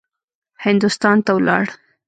هندوستان ته ولاړ.